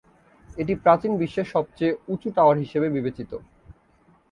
এটি প্রাচীন বিশ্বের সবচেয়ে উঁচু টাওয়ার হিসেবে বিবেচিত।